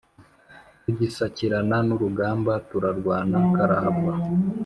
Tugisakirana n’urugamba turarwana karahava